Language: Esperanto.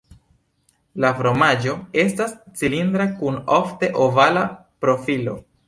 La fromaĝo estas cilindra kun ofte ovala profilo.